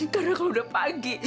karena kalau udah pagi